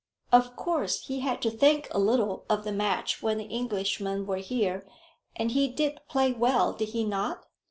"Of course he had to think a little of the match when the Englishmen were here; and he did play well, did he not?